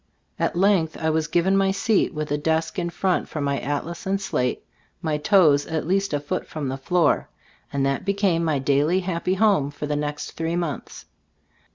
At length I was given my seat, with a desk in front for my atlas and slate, my toes at least a foot from the floor, and that became my daily, happy home for the next three months.